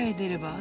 あ。